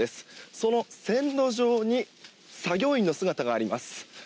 その線路上に作業員の姿があります。